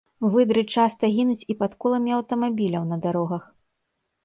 Выдры часта гінуць і пад коламі аўтамабіляў на дарогах.